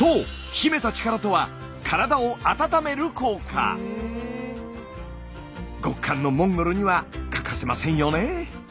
秘めた力とは極寒のモンゴルには欠かせませんよね。